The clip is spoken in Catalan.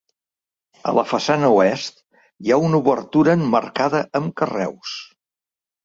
A la façana oest hi ha una obertura emmarcada amb carreus.